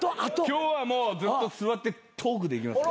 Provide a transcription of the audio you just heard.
今日はもうずっと座ってトークでいきます。